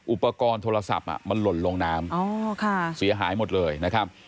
อุปกรณ์โทรศัพท์มันหล่นลงน้ำเสียหายหมดเลยนะครับ